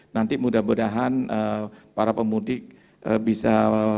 nanti mudah mudahan para pemudik bisa